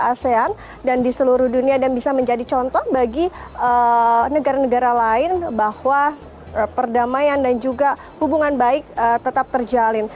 asean dan di seluruh dunia dan bisa menjadi contoh bagi negara negara lain bahwa perdamaian dan juga hubungan baik tetap terjalin